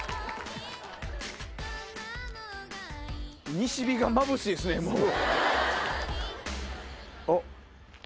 西日がまぶしいっすねもう。